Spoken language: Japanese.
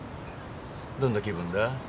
どんな気分だ？